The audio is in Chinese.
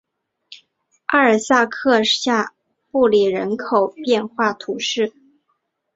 阿尔夏克下布里人口变化图示